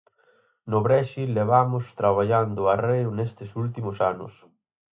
No Brexit levamos traballando arreo nestes últimos anos.